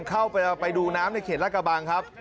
เข้าไปดูน้ำในเขตรกะบังครับ